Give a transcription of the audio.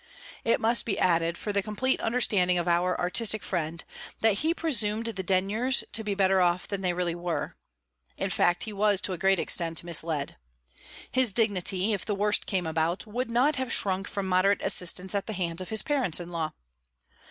It must be added that he presumed the Denyers to be better off than they really were; in fact, he was to a great extent misled. His dignity, if the worst came about, would not have shrunk from moderate assistance at the hands of his parents in law.